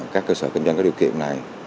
các cơ sở kinh doanh có điều kiện này